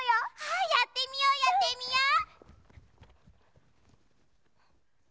あやってみようやってみよう！